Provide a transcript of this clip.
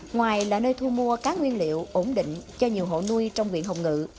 ngoài là nơi thu mua cá nguyên liệu ổn định cho nhiều hộ nuôi trong viện hồng ngự